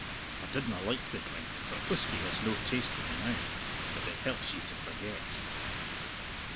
I didna like the drink, for whisky has no taste to me now. But it helps ye to forget.